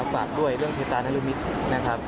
ฝากด้วยเรื่องเพตานรุมิตรนะครับ